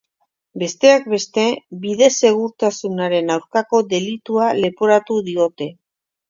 Besteak beste, bide segurtasunaren aurkako delitua leporatu diote.